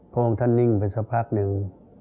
เพราะค่ะนิ่งไปสักพักนึง